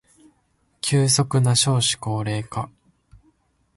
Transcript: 急速な少子高齢化